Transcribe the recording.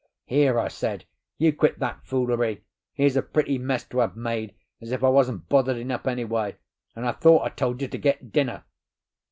"Here," I said, "you quit that foolery! Here's a pretty mess to have made, as if I wasn't bothered enough anyway! And I thought I told you to get dinner!"